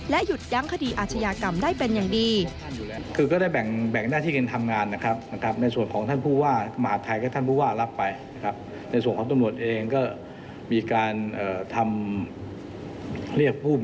หยุดยั้งคดีอาชญากรรมได้เป็นอย่างดี